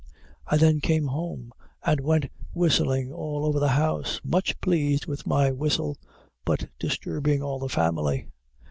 I then came home, and went whistling all over the house, much pleased with my whistle, but disturbing all the family.